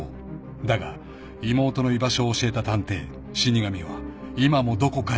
［だが妹の居場所を教えた探偵死神は今もどこかにいる］